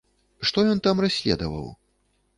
Што ён там расследаваў?